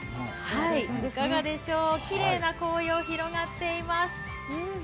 いかがでしょう、きれいな紅葉広がっています。